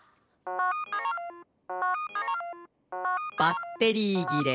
「バッテリーぎれ。